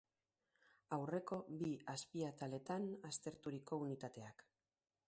Aurreko bi azpiataletan azterturiko unitateak.